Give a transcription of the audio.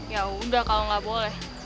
ya udah kalau nggak boleh